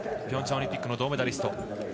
ピョンチャンオリンピックの銅メダリスト。